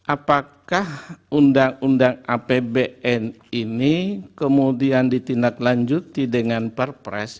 apakah undang undang apbn ini kemudian ditindaklanjuti dengan perpres